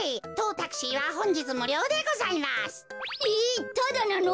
タダなの？